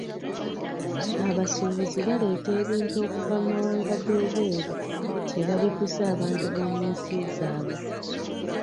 Abasuubuzi baleeta ebintu okuva mu mawanga g'ebweru ne babiguza abantu b'omu nsi zaabwe.